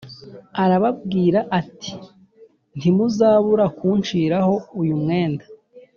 Arababwira ati ntimuzabura kunciraho uyu mwenda